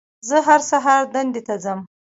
زه هر سهار دندې ته ځم